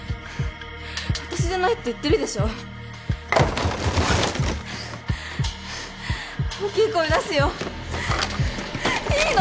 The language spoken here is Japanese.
私じゃないって言ってるでしょ大きい声出すよいいの？